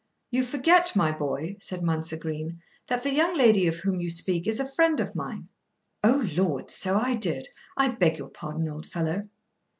"You forget, my boy," said Mounser Green, "that the young lady of whom you speak is a friend of mine." "Oh lord! So I did. I beg your pardon, old fellow."